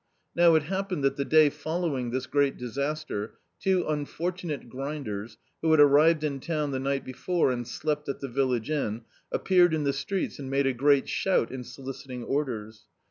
Now, it happened that the day following this great disaster, two un fortunate grinders, who had arrived in town the ni^t before, and slept at the village inn, appeared in the streets and made a great shout in soliciting orders.